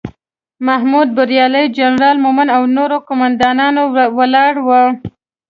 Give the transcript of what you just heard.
محمود بریالی، جنرال مومن او نور قوماندان ولاړ وو.